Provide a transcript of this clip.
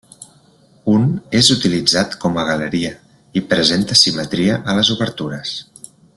Un és utilitzat com a galeria i presenta simetria a les obertures.